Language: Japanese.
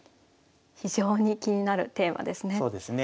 非常に気になるテーマですね。